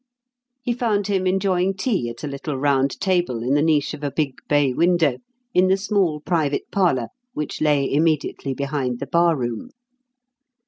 He found him enjoying tea at a little round table in the niche of a big bay window in the small private parlour which lay immediately behind the bar room.